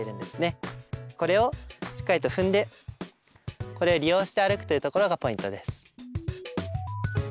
これをしっかりと踏んでこれを利用して歩くというところがポイントです。